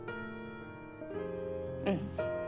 うん。